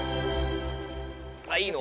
あっいいの？